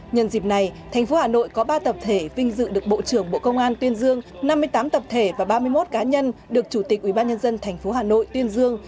nhân dịp này thành phố hà nội có ba tập thể vinh dự được bộ trưởng bộ công an tuyên dương năm mươi tám tập thể và ba mươi một cá nhân được chủ tịch ubnd tp hà nội tuyên dương